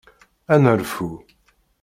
Ad nerfu.